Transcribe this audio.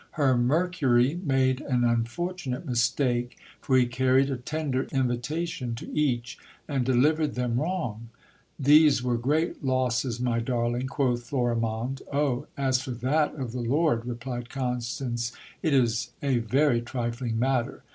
Her Mercury made an unfor tunate mistake, for he carried a tender invitation to each, and delivered them wrong. These were great losses, my darling, quoth Florimonde. Oh ! as for that of the lord, replied Constance, it is a very trifling matter.